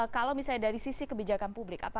kalau misalnya dari sisi kebijakan publik